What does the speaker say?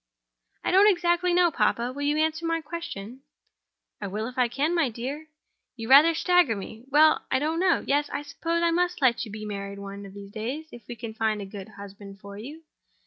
"I don't exactly know, papa. Will you answer my question?" "I will if I can, my dear; you rather stagger me. Well, I don't know. Yes; I suppose I must let you be married one of these days—if we can find a good husband for you.